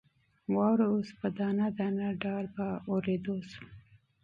واوره اوس په دانه دانه ډول په اورېدو شوه.